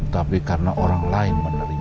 tapi karena orang lain menerima